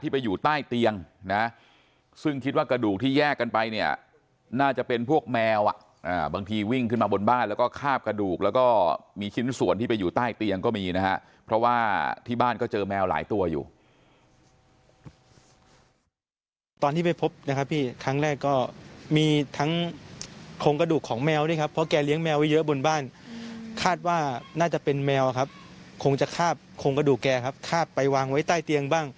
ไปเนี่ยน่าจะเป็นพวกแมวอ่ะอ่าบางทีวิ่งขึ้นมาบนบ้านแล้วก็คาบกระดูกแล้วก็มีชิ้นส่วนที่ไปอยู่ใต้เตียงก็มีนะฮะเพราะว่าที่บ้านก็เจอแมวหลายตัวอยู่ตอนที่ไปพบนะครับพี่ครั้งแรกก็มีทั้งโครงกระดูกของแมวนี่ครับเพราะแกเลี้ยงแมวไว้เยอะบนบ้านคาดว่าน่าจะเป็นแมวครับคงจะคาบโครงกระดูกแกครับ